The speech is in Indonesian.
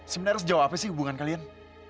sebenarnya sejauh apa sih hubungan kalian